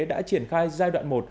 đã triển khai giai đoạn một